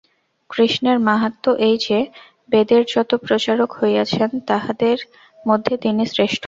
কৃষ্ণের মাহাত্ম্য এই যে, বেদের যত প্রচারক হইয়াছেন, তাঁহাদার মধ্যে তিনি শ্রেষ্ঠ।